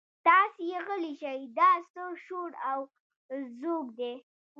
تاسې غلي شئ دا څه شور او ځوږ دی.